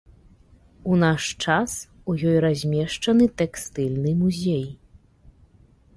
У наш час у ёй размешчаны тэкстыльны музей.